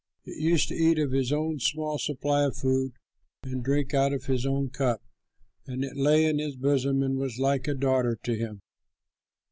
It used to eat of his own small supply of food and drink out of his own cup, and it lay in his bosom and was like a daughter to him.